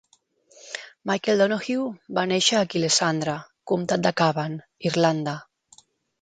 Michael Donohoe va néixer a Killeshandra, comtat de Cavan, Irlanda.